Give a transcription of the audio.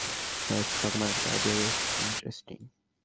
Stock মার্কেটের আইডিয়াটা বেশ ইন্টারেস্টিং।